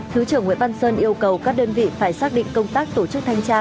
thứ trưởng nguyễn văn sơn yêu cầu các đơn vị phải xác định công tác tổ chức thanh tra